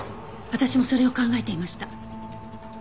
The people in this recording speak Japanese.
私もそれを考えていました。